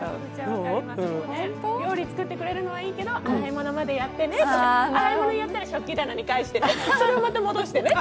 料理作ってくれるのはいいけど洗い物までやってね、洗い物やったら食器棚に返してね。